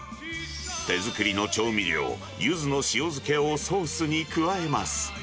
手作りの調味料、ゆずの塩漬けをソースに加えます。